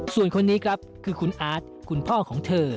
ส่วนคนนี้ครับคือคุณอาร์ตคุณพ่อของเธอ